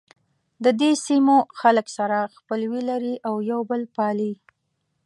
ددې سیمو خلک سره خپلوي لري او یو بل پالي.